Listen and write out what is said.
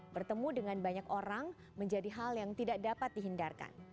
bertemu dengan banyak orang menjadi hal yang tidak dapat dihindarkan